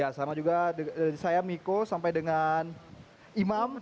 ya sama juga dari saya miko sampai dengan imam